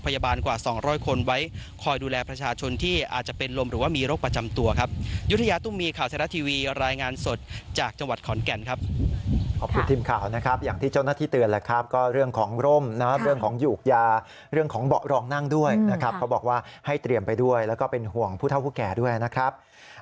อย่างที่เจ้าหน้าที่เตือนแหละครับก็เรื่องของร่มนะครับเรื่องของหยุกยาเรื่องของเบาะรองนั่งด้วยนะครับเขาบอกว่าให้เตรียมไปด้วยแล้วก็เป็นห่วงผู้เท่าผู้แก่ด้วยนะครับ